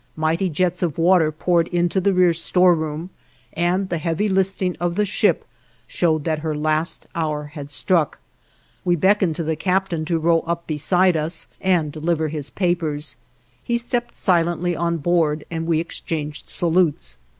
Mighty jets of water poured into the rear storeroom, and the heavy listing of the ship showed that her last hour had struck. We beckoned to the captain to row up beside us and deliver his papers; he stepped silently on board, and we exchanged salutes.